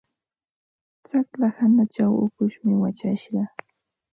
Tsaqlla hanachaw ukushmi wachashqa.